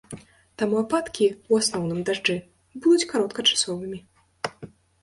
Таму ападкі, у асноўным дажджы, будуць кароткачасовымі.